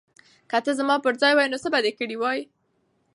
که ته زما پر ځای وای نو څه به دې کړي وای؟